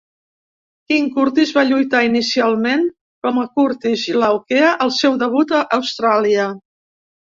King Curtis va lluitar inicialment com a Curtis Iaukea al seu debut a Austràlia.